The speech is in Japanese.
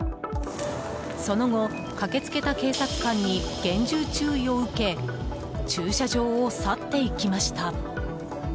その後、駆け付けた警察官に厳重注意を受け駐車場を去っていきました。